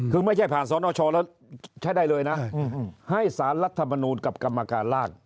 คือไม่ใช่ผ่านสนชแล้วใช้ได้เลยนะให้สารรัฐมนูลกับกรรมการร่าง